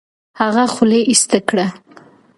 هغه خولۍ ایسته کړه.